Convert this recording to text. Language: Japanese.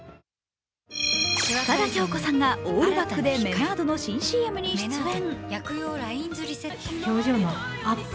深田恭子さんがオールバックでメナードの新ＣＭに出演。